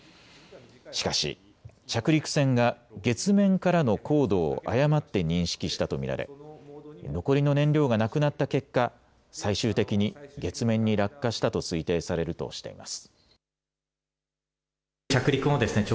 しかし着陸船が月面からの高度を誤って認識したと見られ残りの燃料がなくなった結果、最終的に月面に落下したと推定されるとしています。